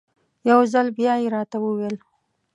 یو ځل بیا یې راته وویل.